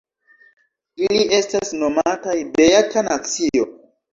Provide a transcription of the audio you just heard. Ili estas nomataj "beata nacio".